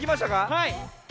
はい！